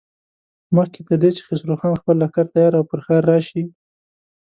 مخکې تر دې چې خسرو خان خپل لښکر تيار او پر ښار راشي.